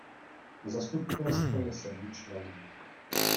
Zastupitelstvo je sedmičlenné.